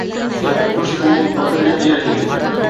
هڪ خوشبو بدلجندي رهي